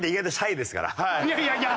いやいやいや！